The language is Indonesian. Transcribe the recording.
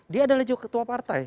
dia adalah juga ketua partai